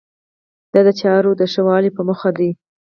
دا د چارو د ښه والي په موخه دی.